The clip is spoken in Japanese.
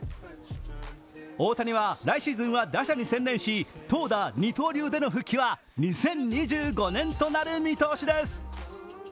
大谷は来シーズンは打者に専念し、投打二刀流での復帰は２０２５年となる見通しです